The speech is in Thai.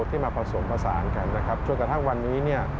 ที่มาผสมผสานกันจนกระทั่งวันนี้